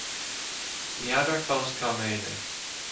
ní fheadar fós cá mbeidh mé